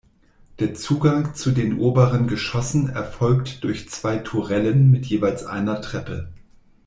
Der Zugang zu den oberen Geschossen erfolgt durch zwei Tourellen mit jeweils einer Treppe.